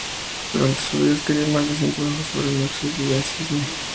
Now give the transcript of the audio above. Durante su vida escribió más de cien trabajos sobre marxismo-leninismo.